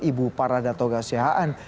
ibu parada toga siahaan